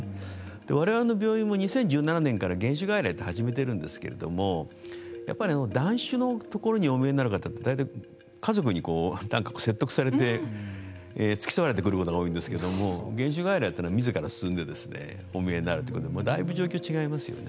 われわれの病院も２０１７年から減酒外来って始めているんですけれどもやっぱり断酒のところにお見えになる方は大体、家族になんか説得されて付き添われて来ることが多いんですけど減酒外来というのはみずから進んでお見えになるということでだいぶ状況が違いますよね。